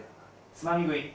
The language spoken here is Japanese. つまみ食い。